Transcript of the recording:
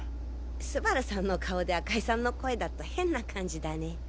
昴さんの顔で赤井さんの声だと変な感じだね。